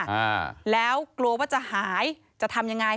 อ่าแล้วกลัวว่าจะหายจะทำยังไง